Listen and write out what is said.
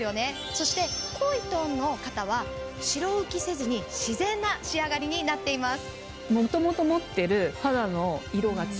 そして濃いトーンの方は白浮きせずに自然な仕上がりになっています。